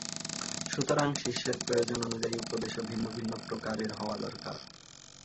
সুতরাং শিষ্যের প্রয়োজন অনুযায়ী উপদেশও ভিন্ন ভিন্ন প্রকারের হওয়া দরকার।